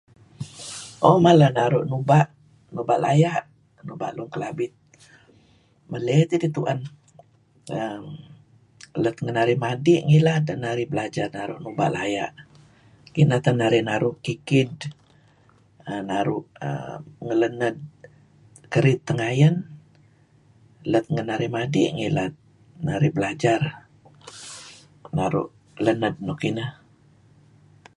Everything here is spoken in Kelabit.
oh mala naru' nuba' laya', nuba' lun kelabit, meley tidih tu'en. err Let ngen narih madi' ngilad narih belajar naru' nuba' laya' , kineh teh narih naru' kikid err naru' lened kerid tengayen, let ngen narih madi' neh narih belajar naru' lened nuk ineh.